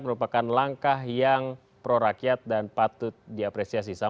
merupakan langkah yang prorakyat dan patut diapresiasi